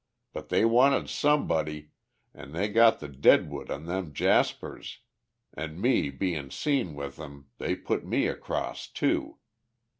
But they wanted somebody, an' they got the deadwood on them jaspers, an' me bein' seen with 'em, they put me across, too.